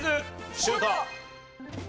シュート！